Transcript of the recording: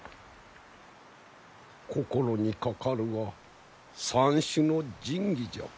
心にかかるは三種の神器じゃ。